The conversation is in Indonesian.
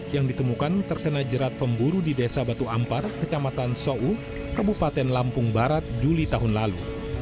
yang ditemukan terkena jerat pemburu di desa batu ampar kecamatan sou kebupaten lampung barat juli tahun lalu